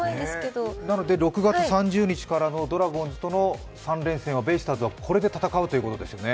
６月３０日からのドラゴンズからの３連戦はベイスターズはこれで戦うということですよね？